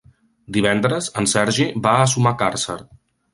Divendres en Sergi va a Sumacàrcer.